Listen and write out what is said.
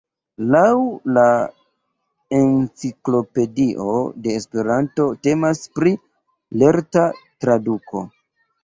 Laŭ la Enciklopedio de Esperanto temas pri "lerta traduko".